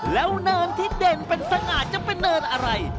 แล้วเนินที่เด่นเป็นสง่าจะเป็นเนินอะไร